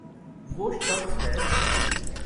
و ہ شخص ہے۔